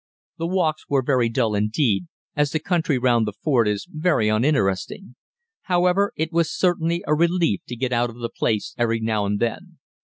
The walks were very dull indeed, as the country round the fort is very uninteresting. However, it was certainly a relief to get out of the place every now and then.